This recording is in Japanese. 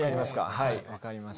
はい分かりました。